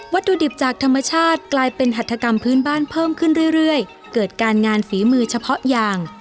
ตุดิบจากธรรมชาติกลายเป็นหัตถกรรมพื้นบ้านเพิ่มขึ้นเรื่อยเกิดการงานฝีมือเฉพาะอย่าง